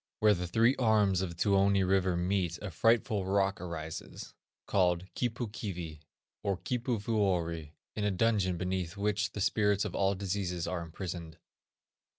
Where the three arms of the Tuoni river meet a frightful rock arises, called Kipu Kivi, or Kipuvuori, in a dungeon beneath which the spirits of all diseases are imprisoned.